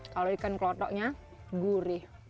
kalau ikan klotoknya gurih